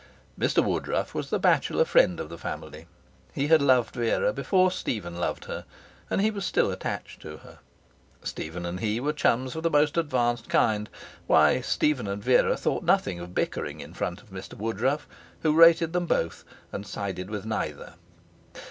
Mr Woodruff was the bachelor friend of the family. He had loved Vera before Stephen loved her, and he was still attached to her. Stephen and he were chums of the most advanced kind. Why! Stephen and Vera thought nothing of bickering in front of Mr Woodruff, who rated them both and sided with neither.